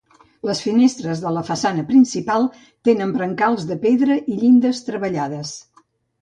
Les finestres de la façana principal tenen brancals de pedra i llindes treballades.